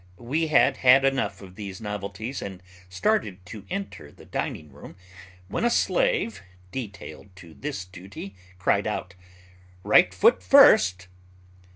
We had had enough of these novelties and started to enter the dining room when a slave, detailed to this duty, cried out, "Right foot first."